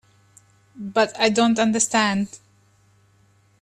But I don't understand.